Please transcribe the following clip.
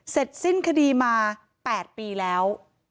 เสร็จสิ้นคดีมา๘ปีแล้ว